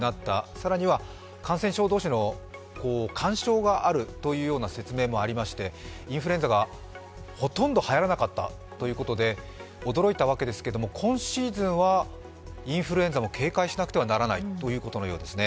更には感染症同士の干渉があるということがありましてインフルエンザがほとんどはやらなかったということで驚いたわけですが、今シーズンはインフルエンザを警戒しなければならないということのようですね。